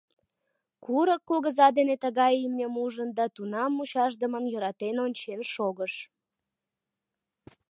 Курык кугыза дене тыгай имньым ужын да тунам мучашдымын йӧратен ончен шогыш.